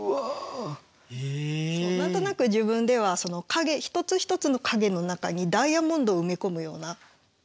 そう何となく自分では一つ一つの影の中にダイヤモンドを埋め込むような。